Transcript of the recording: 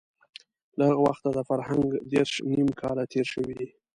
له هغه وخته د فرهنګ دېرش نيم کاله تېر شوي دي.